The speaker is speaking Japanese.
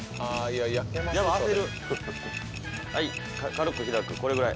軽く開くこれぐらい。